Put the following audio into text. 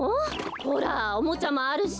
ほらおもちゃもあるし。